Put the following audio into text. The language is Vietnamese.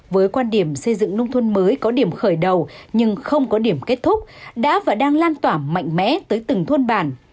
với quan điểm xây dựng nông thôn mới có điểm khởi đầu nhưng không có điểm kết thúc đã và đang lan tỏa mạnh mẽ tới từng thôn bản